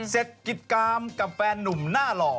เสร็จกิจกรรมกับแฟนนุ่มหน้าหล่อ